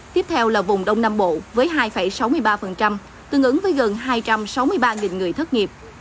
tiếp theo là vùng đông nam bộ với hai sáu mươi ba tương ứng với gần hai trăm sáu mươi ba người thất nghiệp